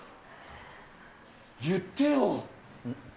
言ってよ。